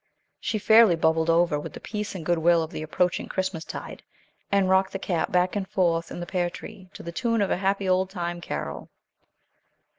She fairly bubbled over with the peace and good will of the approaching Christmas tide, and rocked the cat back and forth in the pear tree to the tune of a happy old time carol.